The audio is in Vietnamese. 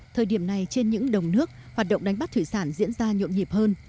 thời điểm này trên những đồng nước hoạt động đánh bắt thủy sản diễn ra nhộn nhịp hơn